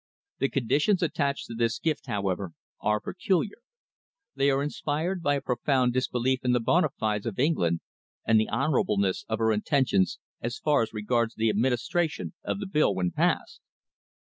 The conditions attached to this gift, however, are peculiar. They are inspired by a profound disbelief in the bona fides of England and the honourableness of her intentions so far as regards the administration of the bill when passed."